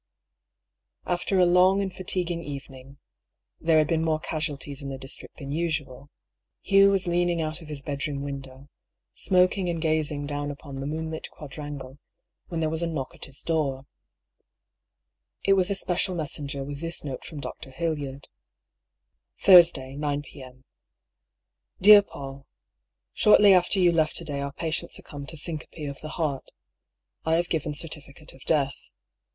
After a long and fatiguing evening — there had been more casualties in the district than usual — Hugh was leaning out of his bedroom window, smoking and gazing down upon the moonlit quadrangle, when there was a knock at his door. It was a special messenger with this note from Dr. Hildyard: — A MORAL DUEL. 67 " Thursday, 9 p.m. " Dear Paull, — Shortly after you left to day our patient suc cumbed to syncope of the heart. 1 have given certificate of death.